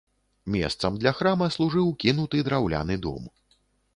Месцам для храма служыў кінуты драўляны дом.